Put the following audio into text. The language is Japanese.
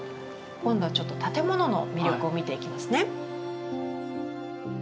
今度はちょっと建物の魅力を見ていきますね。